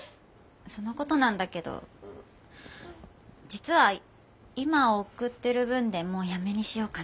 そのことなんだけど実は今送ってる分でもうやめにしようかなって。